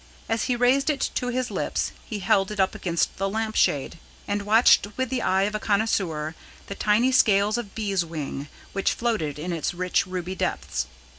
As he raised it to his lips, he held it up against the lamplight, and watched with the eye of a connoisseur the tiny scales of beeswing which floated in its rich ruby depths.